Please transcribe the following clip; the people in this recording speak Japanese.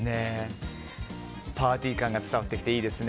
パーティー感が伝わってきていいですね。